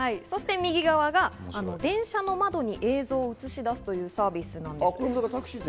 右側が電車の窓に映像を映し出すというサービスなんです。